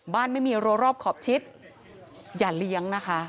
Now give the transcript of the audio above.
ไม่มีรัวรอบขอบชิดอย่าเลี้ยงนะคะ